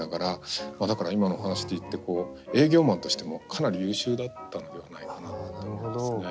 だから今の話でいって営業マンとしてもかなり優秀だったのではないかなと思いますね。